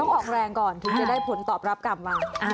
ออกแรงก่อนถึงจะได้ผลตอบรับกลับมา